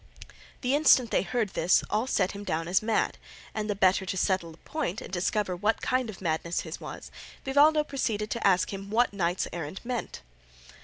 The instant they heard this all set him down as mad, and the better to settle the point and discover what kind of madness his was, Vivaldo proceeded to ask him what knights errant meant.